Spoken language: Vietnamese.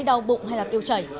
đau bụng hay là tiêu chảy